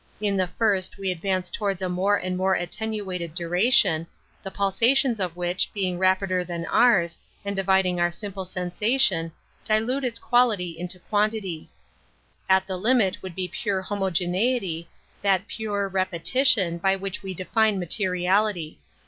In the first we ad { vance towards a more and more attenu / ated duration, the pulsations of which, being rapider than ours, and dividing our simple sensation, dilute its quality into quantity; at the limit would be pure homo geneity, that pure repetition by which we define materiality.